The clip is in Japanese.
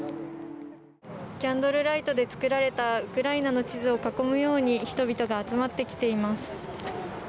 キャンドルライトで作られたウクライナの地図を囲むように人々が集まってきています。